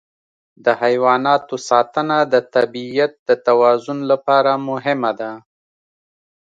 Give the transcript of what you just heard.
د حیواناتو ساتنه د طبیعت د توازن لپاره مهمه ده.